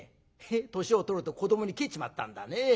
年を取ると子どもに返っちまったんだね。